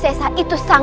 tidak untuk improving